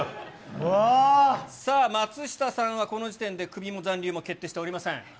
さあ、松下さんは、この時点でクビも残留も決定しておりません。